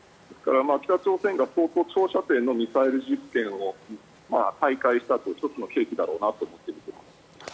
ですから、北朝鮮が相当長射程のミサイル実験を再開したという１つの契機だなと思って見ています。